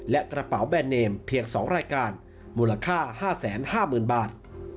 และกระเป๋าแบรนดเนมเพียง๒รายการมูลค่า๕๕๐๐๐บาท